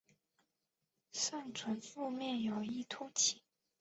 上唇腹面有一突起。